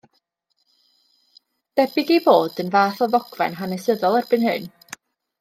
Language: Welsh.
Debyg ei bod yn fath o ddogfen hanesyddol erbyn hyn.